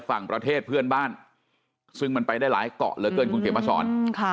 ประเทศเพื่อนบ้านซึ่งมันไปได้หลายเกาะเหลือเกินคุณเขียนมาสอน